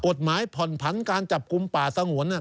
กฎหมายผ่อนผันการจับกลุ่มป่าสงวน